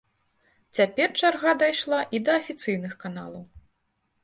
Цяпер чарга дайшла і да афіцыйных каналаў.